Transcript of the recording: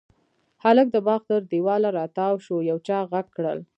هلک د باغ تر دېواله را تاو شو، يو چا غږ کړل: